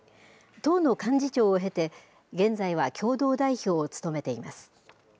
党の幹事長を経て、現在は共同代表を務めています。